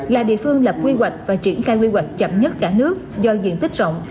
là địa phương lập quy hoạch và triển khai quy hoạch chậm nhất cả nước do diện tích rộng